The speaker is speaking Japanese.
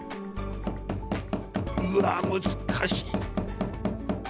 うわ難しい。